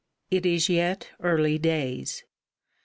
It is yet early days.